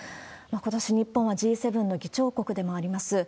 ことし、日本はＧ７の議長国でもあります。